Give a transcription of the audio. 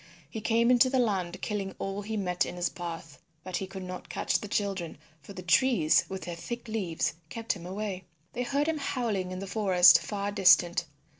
He came into the land killing all he met in his path. But he could not catch the children, for the trees with their thick leaves kept him away. They heard him howling in the forest far distant.